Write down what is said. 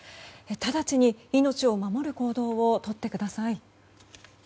直ちに命を守る行動をとってください。